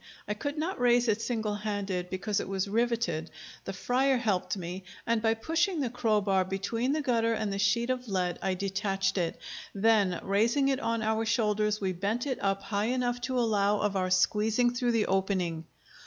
I could not raise it single handed, because it was riveted; the friar helped me, and by pushing the crowbar between the gutter and the sheet of lead I detached it; then raising it on our shoulders, we bent it up high enough to allow of our squeezing through the opening.